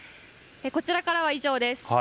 こちらからは以上です。